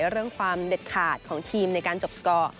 เรื่องความเด็ดขาดของทีมในการจบสกอร์